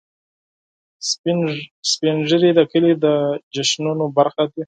سپین ږیری د کلي د جشنونو برخه دي